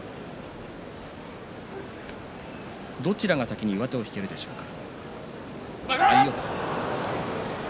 どちらが先に上手を引けるでしょうか。